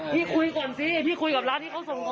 พี่คุยก่อนสิพี่คุยกับร้านที่เขาส่ง